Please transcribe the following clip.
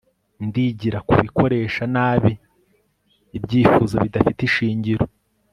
ndigira, kubikoresha nabi, ibyifuzo bidafite ishingiro